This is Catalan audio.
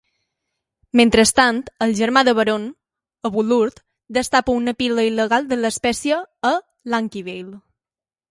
Mentrestant, el germà de Baron, Abulurd, destapa una pila il·legal de l'"espècie" a Lankiveil.